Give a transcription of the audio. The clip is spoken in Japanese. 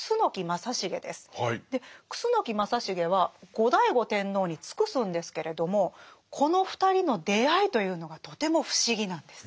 楠木正成は後醍醐天皇に尽くすんですけれどもこの２人の出会いというのがとても不思議なんです。